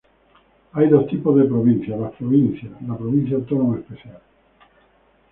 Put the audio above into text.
Hay dos tipos de provincias: las provincias, la provincia autónoma especial.